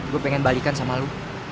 gue pengen balikan sama lu